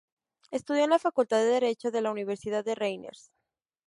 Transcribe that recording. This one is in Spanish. Estudió en la Facultad de Derecho de la universidad de Rennes.